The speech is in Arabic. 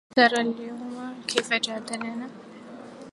أما ترى اليوم كيف جاد لنا